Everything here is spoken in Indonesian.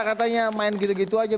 katanya main gitu gitu aja